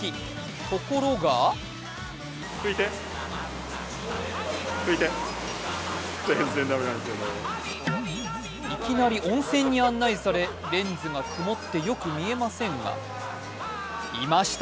ところがいきなり温泉に案内され、レンズが雲ってよく見えませんが、いました！